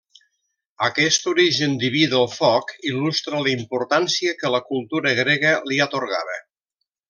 Aquest origen diví del foc il·lustra la importància que la cultura grega li atorgava.